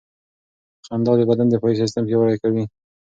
خندا د بدن دفاعي سیستم پیاوړی کوي.